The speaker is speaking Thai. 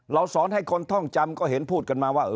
สอนให้คนท่องจำก็เห็นพูดกันมาว่า